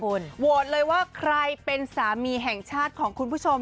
โหวตเลยว่าใครเป็นสามีแห่งชาติของคุณผู้ชม